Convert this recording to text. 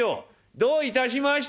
「どういたしまして」。